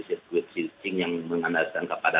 sirkuit switching yang mengandalkan kepada